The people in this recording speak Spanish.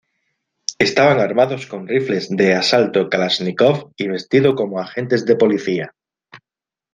Estaban armados con rifles de asalto Kalashnikov y vestidos como agentes de policía.